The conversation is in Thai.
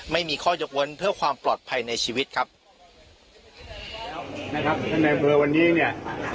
ไม่มีข้อยกเว้นเพื่อความปลอดภัยในชีวิตครับนะครับท่านในอำเภอวันนี้เนี่ย